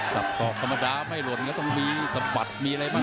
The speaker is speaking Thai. สับสอกธรรมดาไม่ลวดต้องมีสบบัดมีอะไรบ้าง